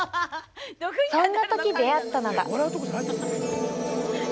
そんな時、出会ったのが。